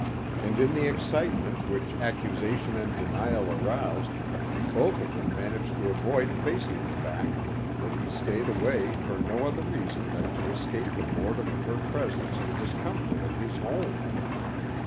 And in the excitement which accusation and denial aroused both of them managed to avoid facing the fact that he stayed away for no other reason than to escape the boredom of her presence and discomfort of his home.